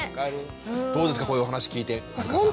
どうですかこういうお話聞いて春香さん。